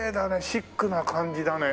シックな感じだね。